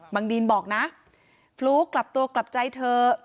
ดีนบอกนะฟลุ๊กกลับตัวกลับใจเถอะ